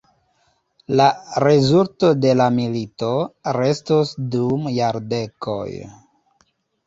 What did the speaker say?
La rezulto de la milito restos dum jardekoj.